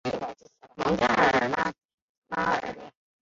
蒙特盖拉尔。